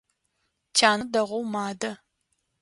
Тянэ дэгъоу мадэ.